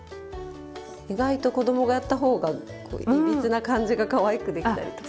意外と子供がやった方がいびつな感じがかわいくできたりとか。